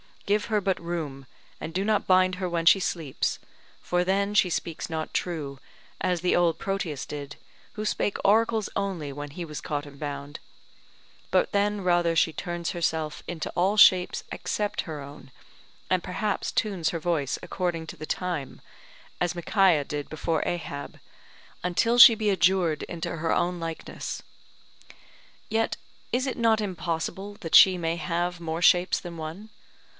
Give her but room, and do not bind her when she sleeps, for then she speaks not true, as the old Proteus did, who spake oracles only when he was caught and bound, but then rather she turns herself into all shapes, except her own, and perhaps tunes her voice according to the time, as Micaiah did before Ahab, until she be adjured into her own likeness. Yet is it not impossible that she may have more shapes than one.